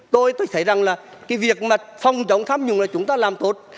tôi thấy rằng việc phòng chống thám dùng là chúng ta làm tốt